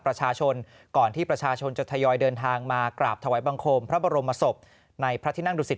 ประชาชนก่อนที่ประชาชนจะทยอยเดินทางมากราบถวายบังคมพระบรมศพในพระที่นั่งดุสิต